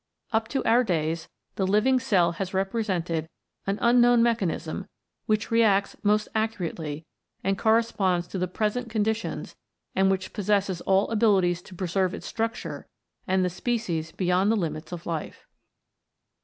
Up to our days the living cell has represented an unknown mechanism which reacts most accurately and corresponds to the present conditions and which possesses all abilities to preserve its structure and the species beyond the limits of life.